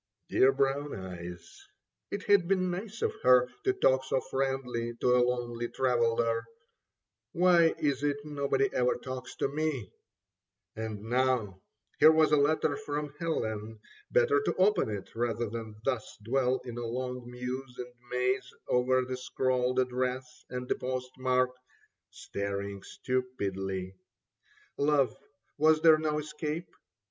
Dear Brown Eyes, it had been nice of her To talk so friendly to a lonely traveller ! Why is it nobody ever talks to me ? And now, here was a letter from Helen. Better to open it rather than thus Dwell in a long muse and maze Over the scrawled address and the postmark. Staring stupidly. Love — ^was there no escape